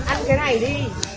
ăn cái này đi